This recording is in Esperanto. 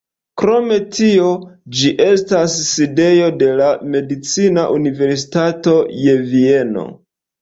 Krom tio ĝi estas sidejo de la medicina universitato je Vieno.